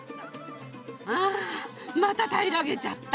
ああまた平らげちゃった。